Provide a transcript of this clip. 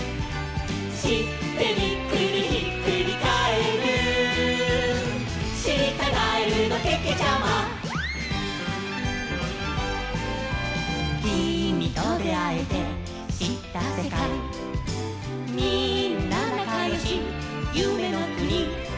「しってビックリひっくりかえる」「しりたガエルのけけちゃま」「キミとであえてしったセカイ」「みんななかよしゆめのくに」